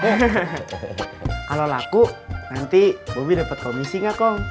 kalo laku nanti bomi dapet komisi gak kong